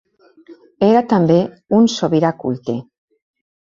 Era també un sobirà culte.